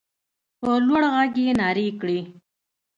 په لوړ غږ يې نارې کړې.